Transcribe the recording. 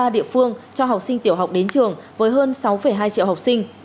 năm mươi ba địa phương cho học sinh tiểu học đến trường với hơn sáu hai triệu học sinh